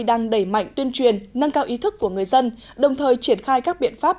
đang đẩy mạnh tuyên truyền nâng cao ý thức của người dân đồng thời triển khai các biện pháp